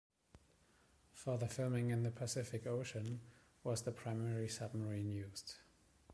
For the filming in the Pacific Ocean, was the primary submarine used.